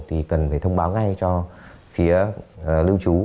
thì cần phải thông báo ngay cho phía lưu trú